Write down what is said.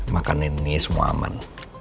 makan ini semua aman